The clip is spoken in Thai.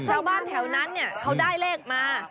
ชาวบ้านแถวนั้นเนี่ยเขาได้เลขมา